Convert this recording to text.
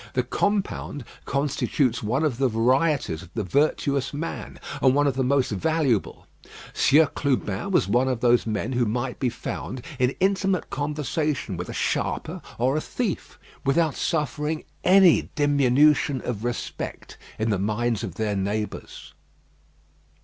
The compound constitutes one of the varieties of the virtuous man, and one of the most valuable. Sieur Clubin was one of those men who might be found in intimate conversation with a sharper or a thief, without suffering any diminution of respect in the minds of their neighbours.